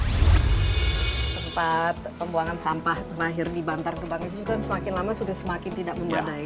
tempat pembuangan sampah terakhir di bantar gebang itu juga semakin lama sudah semakin tidak memadai